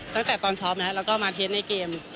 ตั้งแต่ตอนสอบนะเราก็มาเทสในเกม